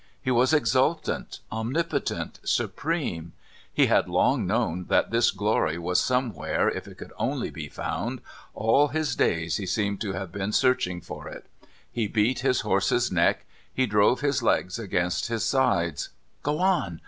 He was exultant, omnipotent, supreme. He had long known that this glory was somewhere if it could only be found, all his days he seemed to have been searching for it; he beat his horse's neck, he drove his legs against his sides. "Go on!